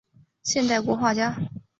现代国画家。